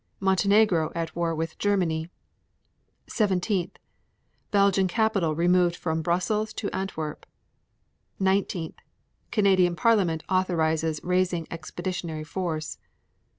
12. Montenegro at war with Germany. 17. Belgian capital removed from Brussels to Antwerp. 19. Canadian Parliament authorizes raising expeditionary force.